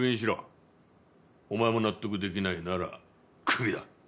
お前も納得できないならクビだ。